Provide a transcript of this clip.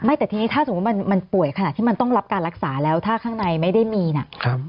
แต่ทีนี้ถ้าสมมุติมันป่วยขนาดที่มันต้องรับการรักษาแล้วถ้าข้างในไม่ได้มีเนี่ย